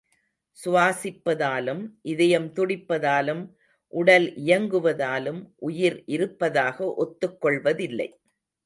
சுவாசிப்பதாலும் இதயம் துடிப்பதாலும் உடல் இயங்குவதாலும் உயிர் இருப்பதாக ஒத்துக் கொள்வதில்லை.